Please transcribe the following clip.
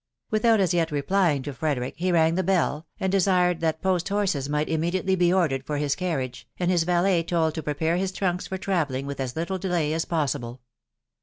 Without as yet replying to Frederick, he rang the bell, and •desired that post horses might immediately be ordered for his carriage, and his valet told to prepare his trunks for travelling with as little delay as possible.